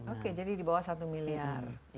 oke jadi di bawah satu miliar